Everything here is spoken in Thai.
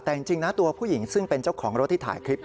แต่จริงนะตัวผู้หญิงซึ่งเป็นเจ้าของรถที่ถ่ายคลิป